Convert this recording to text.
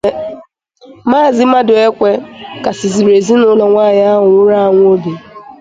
Maazị Maduekwe kasìzịrị ezinụlọ nwaanyị ahụ nwụrụ anwụ obi